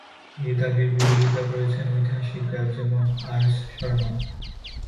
এই দাবির বিরোধিতা করেছেন ঐতিহাসিকরা যেমন আর এস শর্মা।